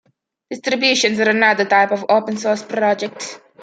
Distributions are another type of open-source project.